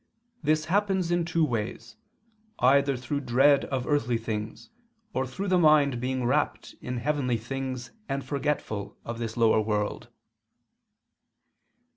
This happens in two ways, either through dread of earthly things or through the mind being rapt in heavenly things and forgetful of this lower world."